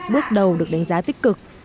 bước đầu được đánh giá tích cực